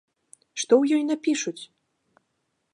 Што ў ёй напішуць?